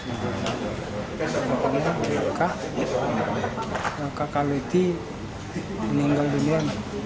ini kakak leti meninggal dunia